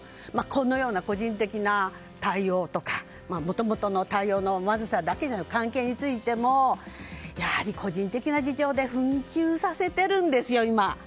このような個人的な対応とかもともとの対応のまずさだけじゃなく関係についてもやはり個人的な事情で紛糾させているんですよ、今。